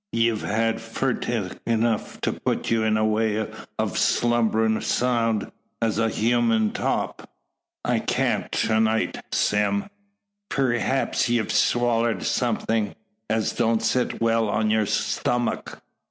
Ye've had furteeg enuf to put you in the way o' slumberin' soun' as a hummin' top." "I can't to night, Sime." "Preehaps ye've swallered somethin', as don't sit well on your stummuk!